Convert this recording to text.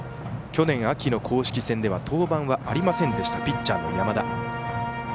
去年秋の公式戦では登板はありませんでしたピッチャーの山田。